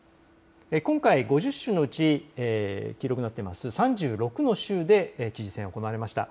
今回５０州のうち黄色くなっている３６の州で知事選が行われました。